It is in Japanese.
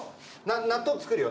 納豆作るよ。